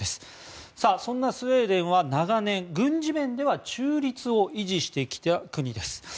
そんなスウェーデンは長年、軍事面では中立を維持してきた国です。